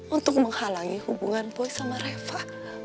untuk menghalangi hubungan boy sama reva